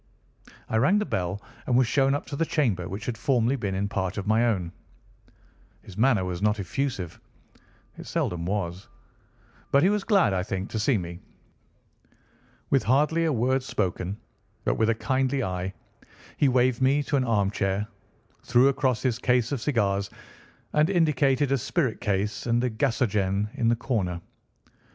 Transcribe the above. I rang the bell and was shown up to the chamber which had formerly been in part my own. His manner was not effusive. It seldom was; but he was glad, I think, to see me. With hardly a word spoken, but with a kindly eye, he waved me to an armchair, threw across his case of cigars, and indicated a spirit case and a gasogene in the corner.